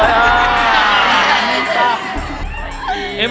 โรงเรียน